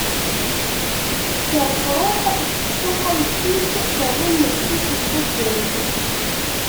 Tekker, tṛuḥ, tekkes aḥayek-is, terra llebsa-s n taǧǧalt.